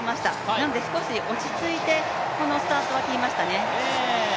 なので少し落ち着いてこのスタートは切りましたね。